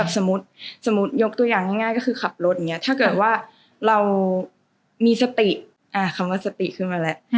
สมมุติยกตัวอย่างง่ายก็คือขับรถอย่างนี้ถ้าเกิดว่าเรามีสติคำว่าสติขึ้นมาแล้ว